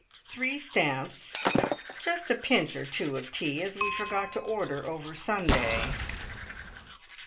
Three stamps. "Just a pinch or two of tea, as we forgot to order over Sunday."